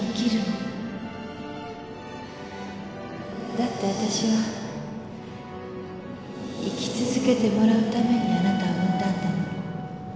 だってわたしは生き続けてもらうためにあなたを産んだんだもの。